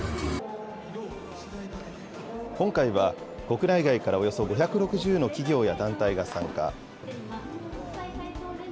今回は、国内外からおよそ５６０の企業や団体が参加。